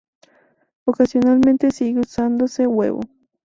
Ocasionalmente sigue usándose huevo.